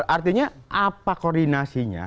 artinya apa koordinasinya